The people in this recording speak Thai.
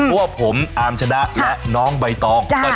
เพราะผมอามชะดะน้องใบต้อง